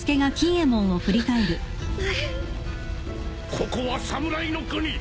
ここは侍の国！